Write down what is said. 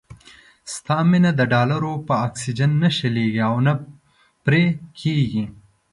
ستا مينه د ډالرو په اکسيجن نه شلېږي او نه پرې کېږي.